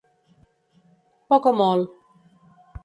Poc o molt.